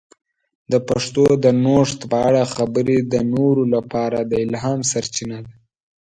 د پښتو د نوښت په اړه خبرې د نورو لپاره د الهام سرچینه ده.